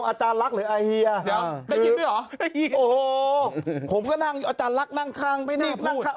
โอ้โหผมก็นั่งอาจารย์ลักษณ์นั่งข้างไม่น่าพูด